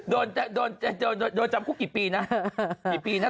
โดนจำคุกกี่ปีนะ